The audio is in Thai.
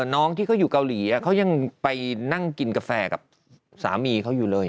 น้องที่เขาอยู่เกาหลีเขายังไปนั่งกินกาแฟกับสามีเขาอยู่เลย